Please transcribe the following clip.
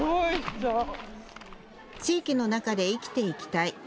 地域の中で生きていきたい。